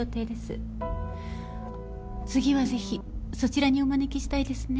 次はぜひそちらにお招きしたいですね。